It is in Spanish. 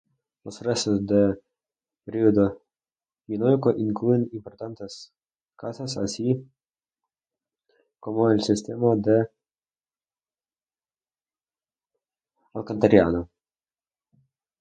Los restos del periodo minoico incluyen importantes casas así como el sistema de alcantarillado.